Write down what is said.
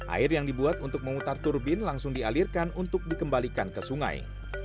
air yang dibuat untuk memutar turbin langsung dialirkan untuk dikembalikan ke sungai